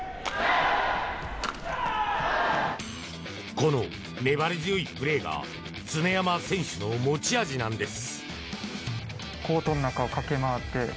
この粘り強いプレーが常山選手の持ち味なんです。